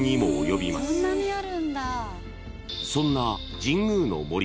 ［そんな］